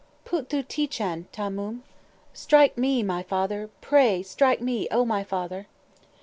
] Poot thoo ti chan, Tha Mom!_ ("Strike me, my father! Pray, strike me, O my father!")